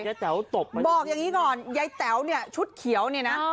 แต๋วตบไหมบอกอย่างนี้ก่อนยายแต๋วเนี่ยชุดเขียวเนี่ยนะ